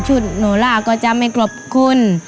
อุดก็จะไม่กรับคุณ